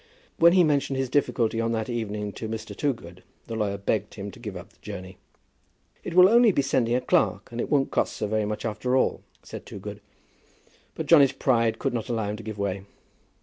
When he mentioned his difficulty on that evening to Mr. Toogood, the lawyer begged him to give up the journey. "It will only be sending a clerk, and it won't cost so very much after all," said Toogood. But Johnny's pride could not allow him to give way.